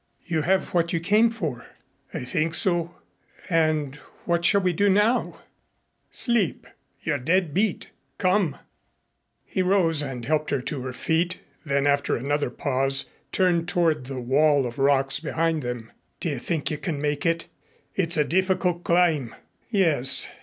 "You have what you came for?" "I think so." "And what shall we do now?" "Sleep. You're dead beat. Come." He rose and helped her to her feet, then after another pause, turned toward the wall of rocks behind them. "Do you think you can make it? It's a difficult climb." "Yes.